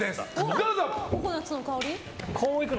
どうぞ！